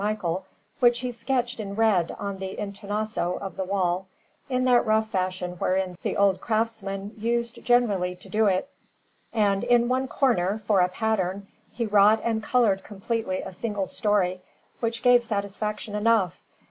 Michael, which he sketched in red on the intonaco of the wall, in that rough fashion wherein the old craftsmen used generally to do it; and in one corner, for a pattern, he wrought and coloured completely a single story, which gave satisfaction enough.